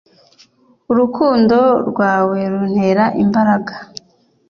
urukundo rwawe runtera imbaraga